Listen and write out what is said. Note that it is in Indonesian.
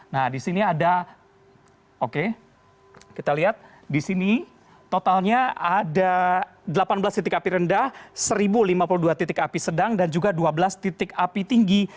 nah di sini ada oke kita lihat di sini totalnya ada delapan belas titik api rendah satu lima puluh dua titik api sedang dan juga dua belas titik api tinggi